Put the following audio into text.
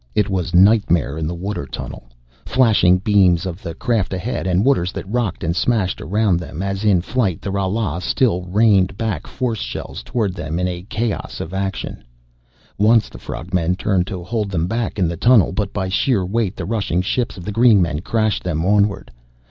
It was nightmare in the water tunnel. Flashing beams of the craft ahead and waters that rocked and smashed around them as in flight the Ralas still rained back force shells toward them in a chaos of action. Once the frog men turned to hold them back in the tunnel, but by sheer weight the rushing ships of the green men crashed them onward.